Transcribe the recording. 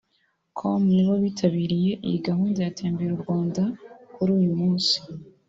com nibo bitabiriye iyi gahunda ya Tembera u Rwanda kuri uyu munsi